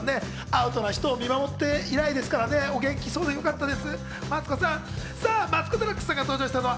アウトな人を見守って以来ですからね、元気そうでよかったです。